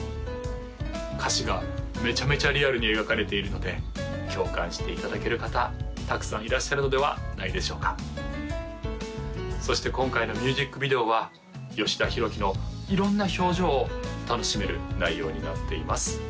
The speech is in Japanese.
歌詞がめちゃめちゃリアルに描かれているので共感していただける方たくさんいらっしゃるのではないでしょうかそして今回のミュージックビデオは吉田ひろきの色んな表情を楽しめる内容になっています